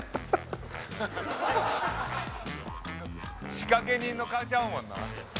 「仕掛け人の顔ちゃうもんな」